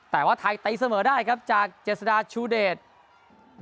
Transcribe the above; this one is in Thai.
แต่ว่าไทยตีเสมอได้ครับจากเจษฎาชูเดช